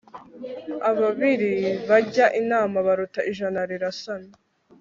abibiri bajya inama baruta ijana rirasana